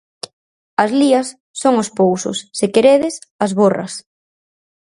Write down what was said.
As lías son os pousos, se queredes, as borras.